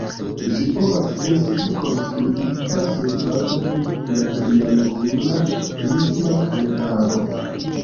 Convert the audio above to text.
Ĝi povas esti konstruita surbaze de la triangula prisma kahelaro.